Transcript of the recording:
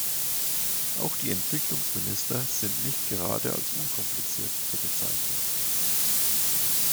Auch die Entwicklungsminister sind nicht gerade als unkompliziert zu bezeichnen.